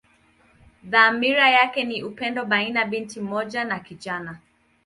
Dhamira yake ni upendo baina binti mmoja na kijana.